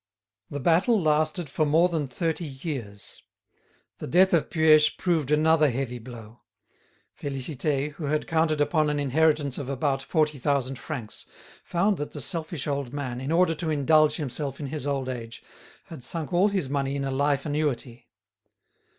The battle lasted for more than thirty years. The death of Puech proved another heavy blow. Félicité, who had counted upon an inheritance of about forty thousand francs, found that the selfish old man, in order to indulge himself in his old age, had sunk all his money in a life annuity.